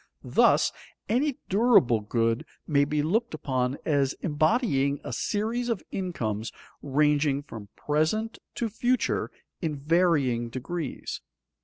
Thus, any durable good may be looked upon as embodying a series of incomes ranging from present to future in varying degrees.